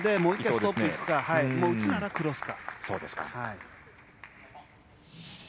打つならクロスか。